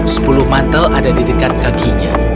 sepuluh mantel ada di dekat kakinya